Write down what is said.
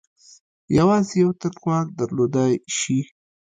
یوازې یو تن واک درلودلای شي.